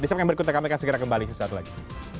ayo kita berikuti kami akan segera kembali saat lain